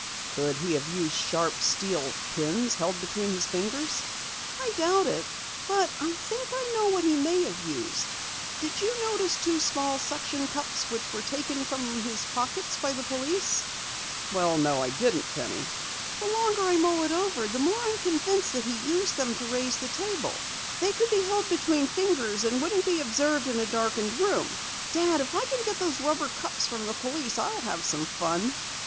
"Could he have used sharp, steel pins held between his fingers?" "I doubt it. But I think I know what he may have used! Did you notice two small suction cups which were taken from his pockets by the police?" "Well, no, I didn't, Penny." "The longer I mull over it, the more I'm convinced he used them to raise the table. They could be held between the fingers and wouldn't be observed in a darkened room. Dad, if I can get those rubber cups from the police, I'll have some fun!"